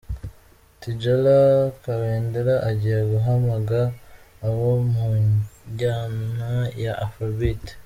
Tidjala Kabendera agiye guhamaga abo mu njyana ya Afrobeat.